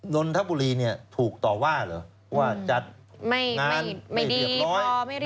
นนทบุรีเนี่ยถูกต่อว่าเหรอเพราะว่าจัดไม่ไม่ไม่ดีไม่เรียบร้อย